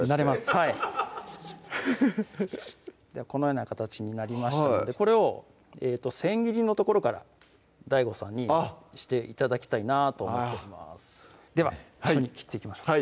はいこのような形になりましたのでこれを千切りのところからＤＡＩＧＯさんにして頂きたいなと思っておりますでは一緒に切っていきましょう